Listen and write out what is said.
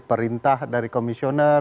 perintah dari komisioner